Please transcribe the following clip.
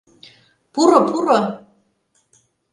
Пуро, пуро!